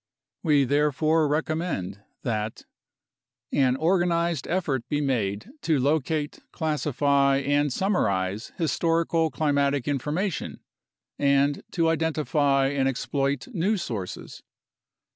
We therefore recommend that An organized effort be made to locate, classify, and summarize historical climatic information and to identify and exploit new sources.